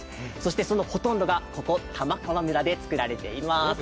そのほとんどがここ玉川村で作られています。